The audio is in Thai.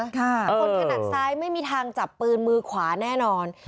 ขนาดซ้ายไม่มีทางจับปืนมือขวาแน่นอน